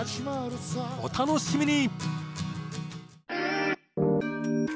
お楽しみに！